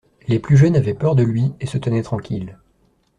Les plus jeunes avaient peur de lui et se tenaient tranquilles.